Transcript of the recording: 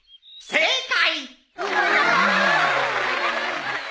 正解！